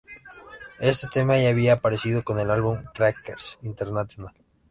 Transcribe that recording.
Este tema ya había aparecido en el álbum Crackers International.